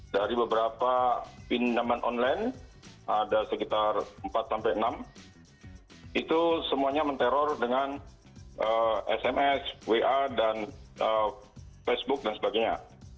dari beberapa pinjaman online ada sekitar empat sampai enam itu semuanya menteror dengan sms wa dan facebook dan sebagainya